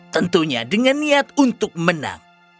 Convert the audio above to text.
tentunya dengan niat untuk menang